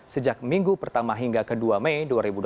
sejak minggu pertama hingga ke dua mei dua ribu dua puluh